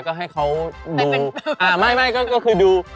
ก็ให้เขาไม่ก็คือดู